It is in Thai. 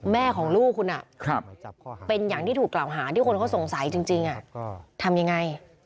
แม่ของลูกคุณเป็นอย่างที่ถูกกล่าวหาที่คนเขาสงสัยจริงทำยังไง